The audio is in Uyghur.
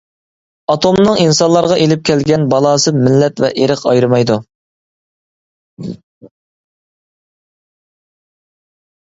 ئاتومنىڭ ئىنسانلارغا ئېلىپ كەلگەن بالاسى مىللەت ۋە ئىرق ئايرىمايدۇ.